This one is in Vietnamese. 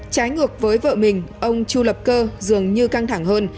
trái ngược với vợ mình ông chu lập cơ dường như căng thẳng hơn